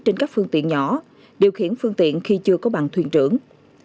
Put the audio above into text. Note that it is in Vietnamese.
trên các phương tiện nhỏ điều khiển phương tiện khi chưa có bằng thuyền trưởng